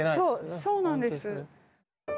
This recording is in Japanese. そうなんです。